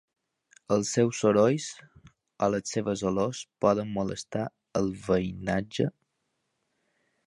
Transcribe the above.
Els seus sorolls o les seves olors poden molestar el veïnatge?